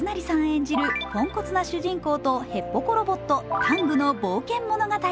演じるポンコツな主人公とへっぽこロボット、タングの冒険物語。